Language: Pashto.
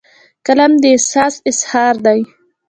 قلم د احساس اظهار دی